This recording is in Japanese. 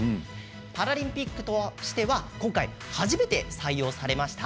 パラリンピックとしては今回、初めて採用されました。